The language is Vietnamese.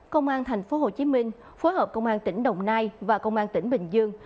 công an thành phố hồ chí minh phối hợp công an tỉnh đồng nai và công an tỉnh bình dương